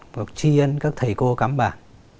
một tri ân các thầy cô cắm bàn